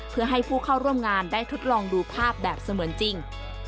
เพื่อให้ผู้เข้าร่วมงานได้ทดลองดูภาพแบบเสมือนจริง